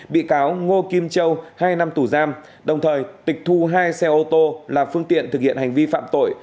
bị cáo ngô kim châu hai năm tù giam đồng thời tịch thu hai xe ô tô là phương tiện thực hiện hành vi phạm tội